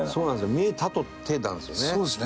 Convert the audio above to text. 見えたとてなんですよね。